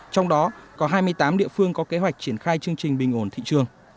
trong đó có hai mươi tám địa phương có kế hoạch triển khai chương trình bình ổn thị trường